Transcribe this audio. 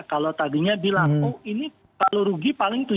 kalau tadinya bilang oh ini kalau rugi paling tujuh